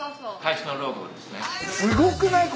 すごくない？